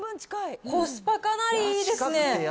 コスパかなりいいですね。